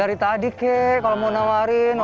dari tadi kek kalau mau nawarin